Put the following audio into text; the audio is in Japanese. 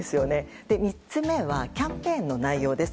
３つ目はキャンペーンの内容です。